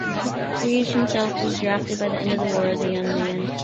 Criegee himself was still drafted by end of the war as a young man.